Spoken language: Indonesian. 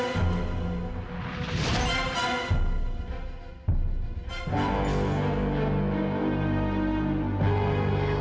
kok bisa ada siapa